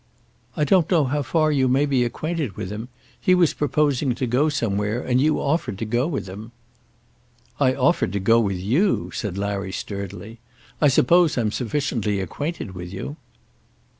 "I don't know how far you may be acquainted with him. He was proposing to go somewhere, and you offered to go with him." "I offered to go with you," said Larry sturdily. "I suppose I'm sufficiently acquainted with you."